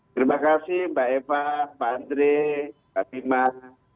terima kasih mbak eva pak andre pak bima